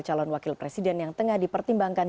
calon wakil presiden yang tengah dipertimbangkan